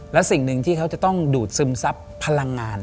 และสิ่งหนึ่งที่เขาจะต้องดูดซึมซับพลังงาน